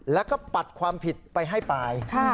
แล้วก็ปัดความผิดไปให้ปาย